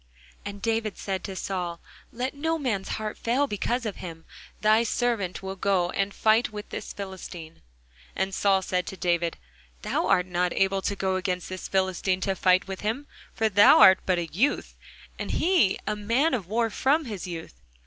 And David said to Saul, Let no man's heart fail because of him; thy servant will go and fight with this Philistine. And Saul said to David, Thou art not able to go against this Philistine to fight with him: for thou art but a youth, and he a man of war from his youth.